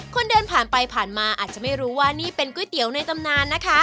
คนเดินผ่านไปผ่านมาอาจจะไม่รู้ว่านี่เป็นก๋วยเตี๋ยวในตำนานนะคะ